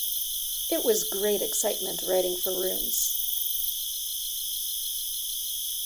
It was great excitement writing for rooms.